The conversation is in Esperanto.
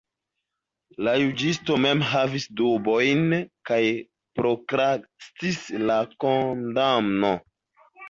La juĝisto mem havis dubojn kaj prokrastis la kondamno.